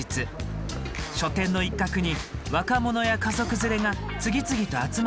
書店の一角に若者や家族連れが次々と集まっていました。